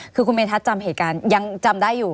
คือคุณเมทัศน์จำเหตุการณ์ยังจำได้อยู่